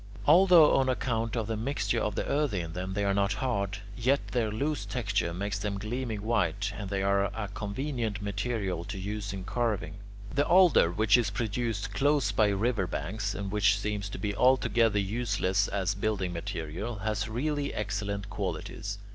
Although on account of the mixture of the earthy in them they are not hard, yet their loose texture makes them gleaming white, and they are a convenient material to use in carving. 10. The alder, which is produced close by river banks, and which seems to be altogether useless as building material, has really excellent qualities.